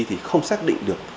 thì không xác định được